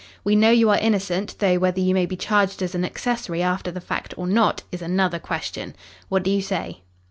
We know you are innocent though whether you may be charged as an accessory after the fact or not is another question. What do you say?"